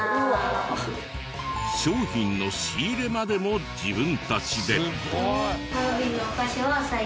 商品の仕入れまでも自分たちで。